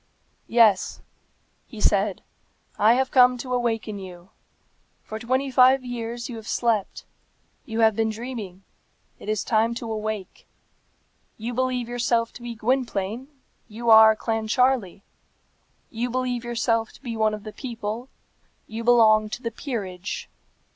"Yes," he said; "I have come to awaken you. For twenty five years you have slept. You have been dreaming. It is time to awake. You believe yourself to be Gwynplaine; you are Clancharlie. You believe yourself to be one of the people; you belong to the peerage.